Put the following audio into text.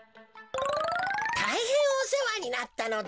たいへんおせわになったのだ。